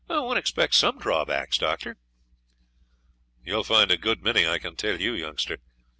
"One expects some drawbacks, Doctor." "You will find a good many, I can tell you, youngster.